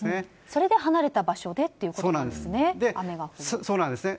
それで離れた場所でということなんですね。